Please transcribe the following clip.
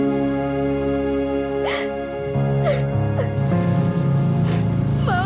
mau hidup vera